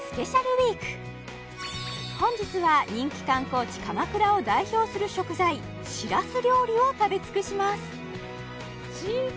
ウィーク本日は人気観光地鎌倉を代表する食材しらす料理を食べ尽くします